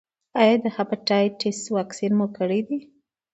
ایا د هیپاټایټس واکسین مو کړی دی؟